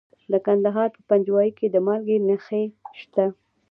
د کندهار په پنجوايي کې د مالګې نښې شته.